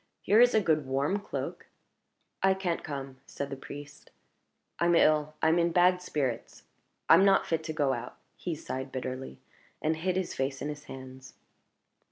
Here is a good warm cloak " "I can't come," said the priest "I'm ill; I'm in bad spirits; I'm not fit to go out." He sighed bitterly, and hid his face in his hands.